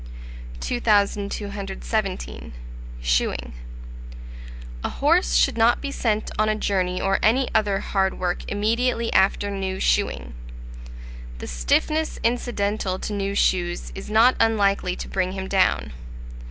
2217. Shoeing. A horse should not be sent on a journey or any other hard work immediately after new shoeing; the stiffness incidental to new shoes is not unlikely to bring him down.